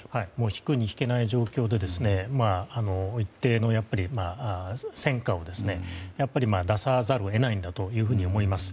引くに引けない状況で一定の戦果を出さざるを得ないんだと思います。